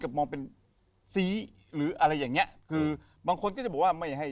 มองเป็นซีหรืออะไรอย่างเงี้ยคือบางคนก็จะบอกว่าไม่ให้